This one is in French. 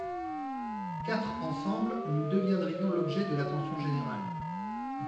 Quatre ensemble nous deviendrions l'objet de l'attention générale.